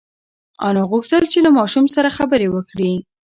انا غوښتل چې له ماشوم سره خبرې وکړي.